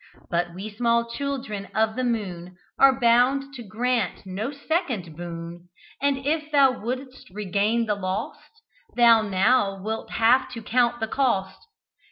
But we small children of the moon Are bound to grant no second boon; And if thou would'st regain the lost, Thou now wilt have to count the cost!